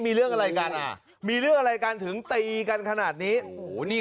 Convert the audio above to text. มีเรื่องอะไรกันอ่ะมีเรื่องอะไรกันถึงตีกันขนาดนี้โอ้โหนี่